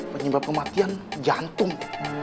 penyebab kematian jantung